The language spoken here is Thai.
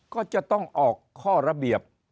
ก็จะต้องออกข้อระเบียบ